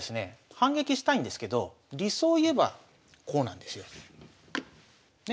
反撃したいんですけど理想を言えばこうなんですよ。ね？